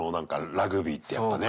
ラグビーってやっぱね。